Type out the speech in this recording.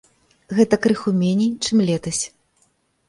Гэта крыху меней, чым летась.